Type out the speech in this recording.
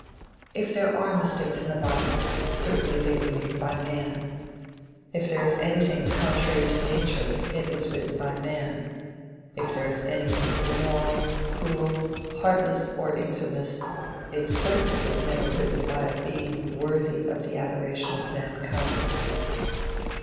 If there are mistakes in the bible, certainly they were made by man. If there is anything contrary to nature, it was written by man. If there is anything immoral, cruel, heartless or infamous, it certainly was never written by a being worthy of the adoration of mankind.